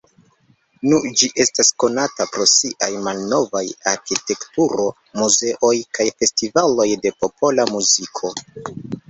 Nun ĝi estas konata pro siaj malnova arkitekturo, muzeoj kaj festivaloj de popola muziko.